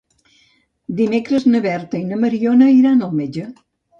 Dimecres na Berta i na Mariona iran al metge.